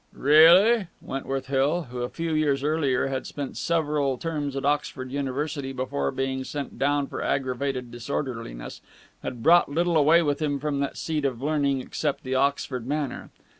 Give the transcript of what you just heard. "Really?" Wentworth Hill, who a few years earlier had spent several terms at Oxford University before being sent down for aggravated disorderliness, had brought little away with him from that seat of learning except the Oxford manner.